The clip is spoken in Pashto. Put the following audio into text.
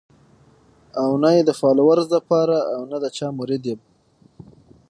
او نۀ ئې د فالوورز د پاره او نۀ د چا مريد يم